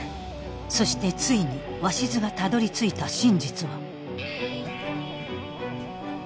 そしてついに鷲津がたどりついた真実は。